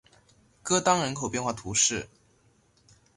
戈当人口变化图示